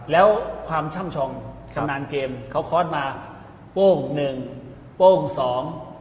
แล้วความช่ำชองชำนาญเกมเขาคอร์สมาโป้งหนึ่งโป้งสอง